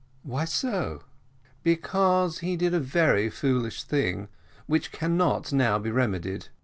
"Why so?" "Because he did a very foolish thing, which cannot now be remedied.